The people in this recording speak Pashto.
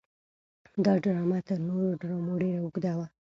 دا ډرامه تر نورو ډرامو ډېره اوږده وه.